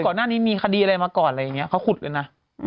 ก่อนหน้านี้มีคดีอะไรมาก่อนอะไรอย่างนี้เขาขุดกันนะ